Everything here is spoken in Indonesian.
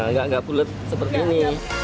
nggak bulat seperti ini